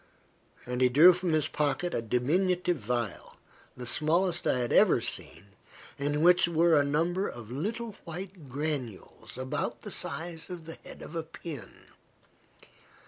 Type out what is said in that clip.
And he drew from his pocket a diminutive vial, the smallest I had ever seen, in which were a number of little white granules, about the size of the head of a pin.